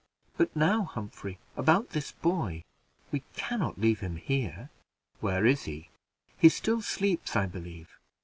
"But now, Humphrey, about this boy; we can not leave him here." "Where is he?" "He still sleeps, I believe.